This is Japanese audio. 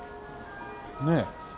ねえ。